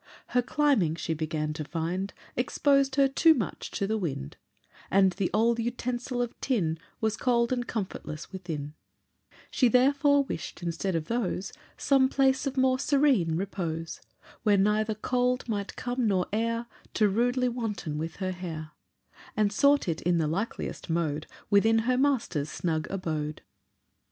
Her climbing, she began to find, Exposed her too much to the wind, And the old utensil of tin Was cold and comfortless within: She therefore wish'd instead of those Some place of more serene repose, Where neither cold might come, nor air Too rudely wanton with her hair, And sought it in the likeliest mode Within her master's snug abode.